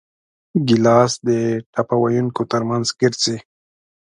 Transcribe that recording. ګیلاس د ټپه ویونکو ترمنځ ګرځي.